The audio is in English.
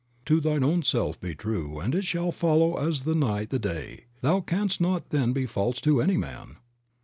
"To thine own self be true, and it shall follow as the night the day, thou canst not then be false to any man."